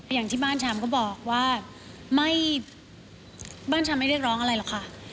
อย่างที่บ้านชามก็บอกว่าไม่บ้านชำไม่เรียกร้องอะไรหรอกค่ะ